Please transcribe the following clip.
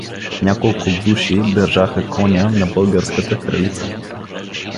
Няколко души държаха коня на българската кралица.